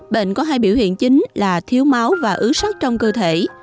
bệnh có hai biểu hiện chính là thiếu máu và ứ sắc trong cơ thể